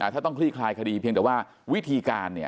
ถ้าต้องคลี่คลายคดีเพียงแต่ว่าวิธีการเนี่ย